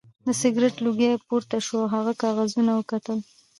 د سګرټ لوګی پورته شو او هغه کاغذونه وکتل